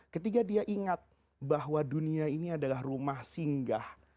ketika dia ingat bahwa dunia ini adalah rumah singgah